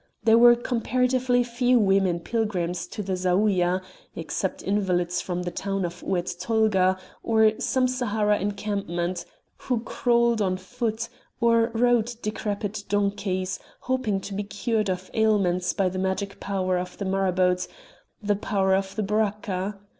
There were comparatively few women pilgrims to the Zaouïa, except invalids from the town of Oued Tolga, or some Sahara encampment, who crawled on foot, or rode decrepit donkeys, hoping to be cured of ailments by the magic power of the marabout, the power of the Baraka.